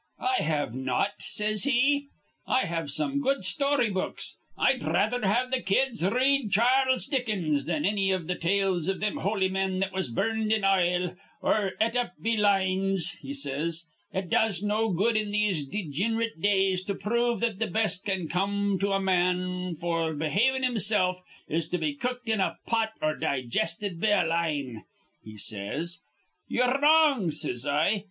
'I have not,' says he. 'I have some good story books. I'd rather th' kids'd r read Char les Dickens than anny iv th' tales iv thim holy men that was burned in ile or et up be lines,' he says. 'It does no good in these degin'rate days to prove that th' best that can come to a man f'r behavin' himsilf is to be cooked in a pot or di gisted be a line,' he says. 'Ye're wrong,' says I.